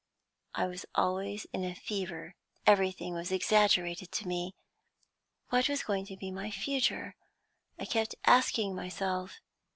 I was always in a fever; everything was exaggerated to me. What was going to be my future? I kept asking myself.